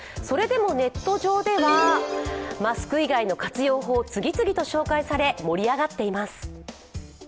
それでもネット上ではマスク以外の活用法が次々と紹介され、盛り上がっています。